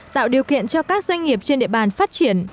tạo điều kiện cho các doanh nghiệp trên địa bàn phát triển